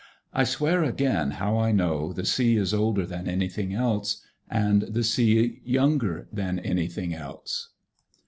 . I swear again how I know the sea is older than anything else and the sea younger than anything else.